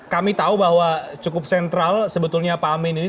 kami tahu bahwa cukup sentral sebetulnya pak amin ini